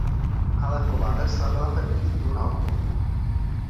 Halepová tak slavila první titul na okruhu.